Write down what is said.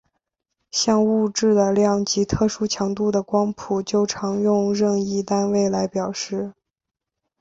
像物质的量及特殊强度的光谱就常用任意单位来表示。